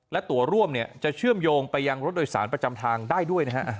และตัวร่วมจะเชื่อมโยงไปยังรถโดยสารประจำทางได้ด้วยนะฮะ